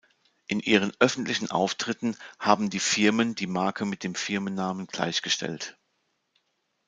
In ihren öffentlichen Auftritten haben die Firmen die Marke mit den Firmennamen gleichgestellt.